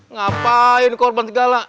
ngapain korban segala